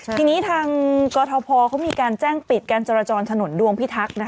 ทีนี้ทางกรทพเขามีการแจ้งปิดการจราจรถนนดวงพิทักษ์